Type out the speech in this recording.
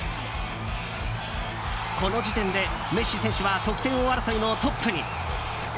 この時点でメッシ選手は得点王争いのトップに。